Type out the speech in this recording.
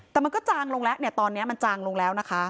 แต่มันก็จางลงแล้วเนี่ยตอนนี้มันจางลงแล้วนะคะ